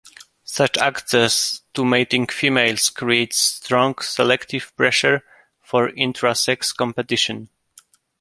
Such access to mating females creates strong selective pressure for intra-sex competition.